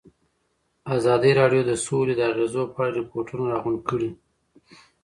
ازادي راډیو د سوله د اغېزو په اړه ریپوټونه راغونډ کړي.